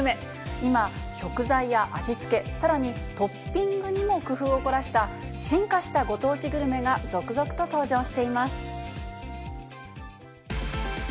今、食材や味付け、さらにトッピングにも工夫を凝らした、進化したご当地グルメが続々と登場しています。